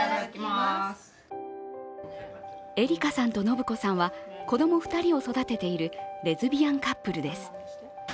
エリカさんと信子さんは子供２人を育てているレズビアンカップルです。